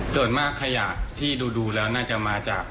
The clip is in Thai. ส่วนมากขยะที่ดูแล้วน่าจะมาจาก